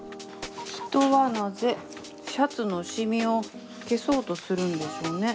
人はなぜシャツのシミを消そうとするんでしょうね。